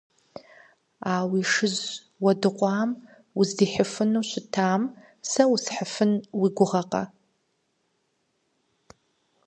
А уи шыжь уэдыкъуам уздихьыфу щытам сэ усхьыфын уи гугъэкъэ?